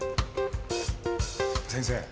先生。